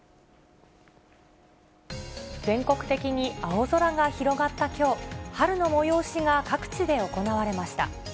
全国的に青空が広がったきょう、春の催しが各地で行われました。